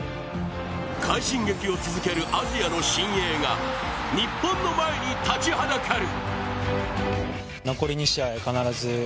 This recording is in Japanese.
快進撃を続けるアジアの新鋭が日本の前に立ちはだかる。